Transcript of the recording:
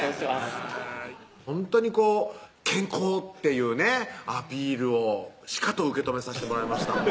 ほんとにこう健康っていうねアピールをしかと受け止めさしてもらいました